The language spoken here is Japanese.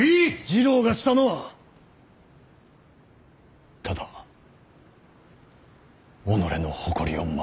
次郎がしたのはただ己の誇りを守ることのみ。